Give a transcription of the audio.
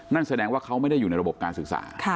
นั่นแสดงว่าเขาไม่ได้อยู่ในระบบการศึกษา